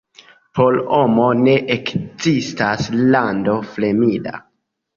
Por homo ne ekzistas lando fremda.